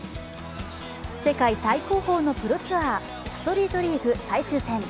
世界最高峰のプロツアーストリートリーグ最終戦。